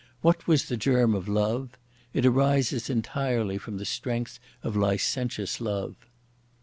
What was the germ of love? It arises entirely from the strength of licentious love.